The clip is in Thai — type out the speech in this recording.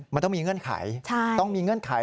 มันต้องมีเงื่อนไขต้องมีเงื่อนไข